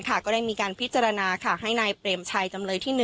ก็ได้มีการพิจารณาให้นายเปรมชัยจำเลยที่๑